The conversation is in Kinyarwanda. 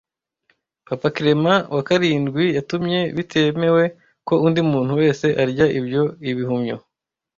Papa Clement wa karindwi yatumye bitemewe ko undi muntu wese arya ibyo Ibihumyo